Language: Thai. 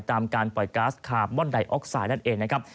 การปล่อยก๊าซคาร์บอนไดออกไซด์นั่นเองนะครับ